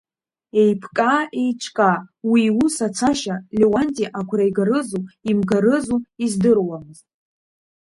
Еиԥкаа-еиҿкаа уи иус ацашьа Леуанти агәра игарызу имгарызу издыруамызт.